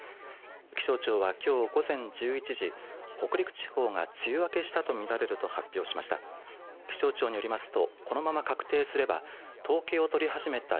気象庁は、きょう午前１１時北陸地方が梅雨明けしたと見られると発表しました。